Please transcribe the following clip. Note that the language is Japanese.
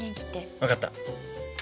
分かった。